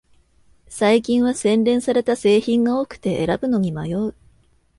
最近は洗練された製品が多くて選ぶのに迷う